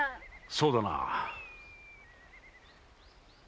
そうだな。